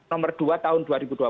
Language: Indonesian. nomor dua tahun dua ribu dua puluh